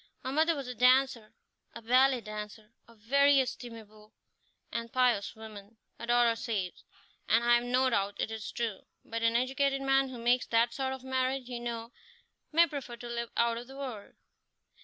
Her mother was a dancer, a ballet dancer, a very estimable and pious woman, her daughter says, and I have no doubt it is true; but an educated man who makes that sort of marriage, you know, may prefer to live out of the world."